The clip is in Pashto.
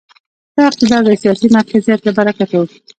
دا اقتدار د سیاسي مرکزیت له برکته و.